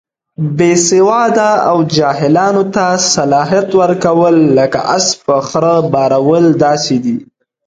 بې سواده او جاهلانو ته صلاحیت ورکول، لکه اس په خره بارول داسې دي.